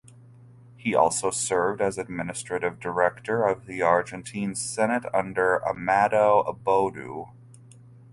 He also served as Administrative Director of the Argentine Senate under Amado Boudou.